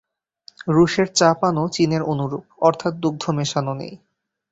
রুশের চা-পানও চীনের অনুরূপ, অর্থাৎ দুগ্ধ মেশানো নেই।